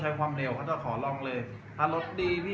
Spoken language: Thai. แต่ว่าเมืองนี้ก็ไม่เหมือนกับเมืองอื่น